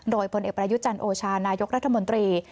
โดยผลเอกประยุจันทร์โอชานายกรัฐมนตรี